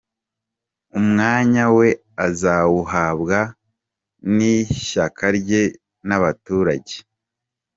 Umwanya we azawuhabwa n’ishyaka rye, n’abaturage.